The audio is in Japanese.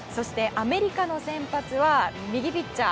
、アメリカの先発は右ピッチャー